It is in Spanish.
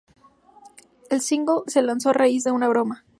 El single se lanzó a raíz de una broma.